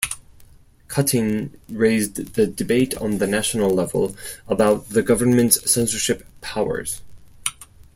Cutting raised the debate on the national level about the government's censorship powers.